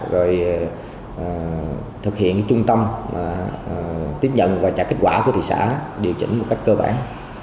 rồi thực hiện trung tâm tiếp nhận và trả kết quả của thị xã điều chỉnh một cách cơ bản